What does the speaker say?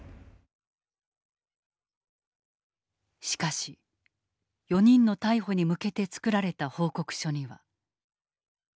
しかし４人の逮捕に向けて作られた報告書には。